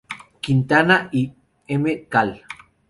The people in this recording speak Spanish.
Quintana y Mcal.